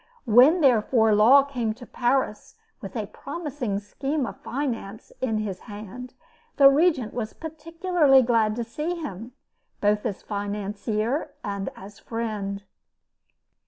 When, therefore, Law came to Paris with a promising scheme of finance in his hand, the Regent was particularly glad to see him, both as financier and as friend.